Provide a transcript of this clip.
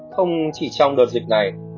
không chỉ trong đợt dịch này